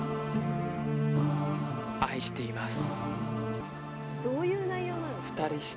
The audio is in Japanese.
愛しています